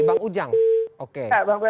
bang ujang oke